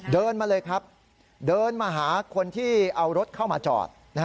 เดินมาเลยครับเดินมาหาคนที่เอารถเข้ามาจอด